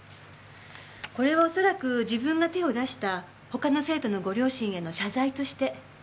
これはおそらく自分が手を出した他の生徒のご両親への謝罪として書いたものでしょう。